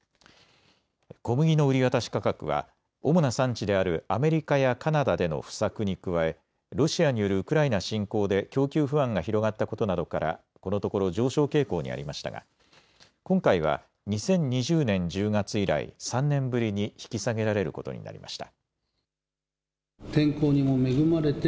小麦の売り渡し価格は主な産地であるアメリカやカナダでの不作に加え、ロシアによるウクライナ侵攻で供給不安が広がったことなどからこのところ上昇傾向にありましたが今回は２０２０年１０月以来３年ぶりに引き下げられることになりました。